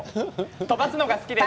飛ばすのが好きです。